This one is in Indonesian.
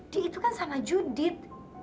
di itu kan sama judit